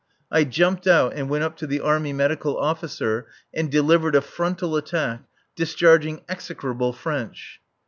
I jumped out and went up to the Army Medical Officer and delivered a frontal attack, discharging execrable French.